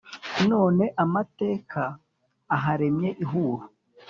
none amateka aharemye ihuro.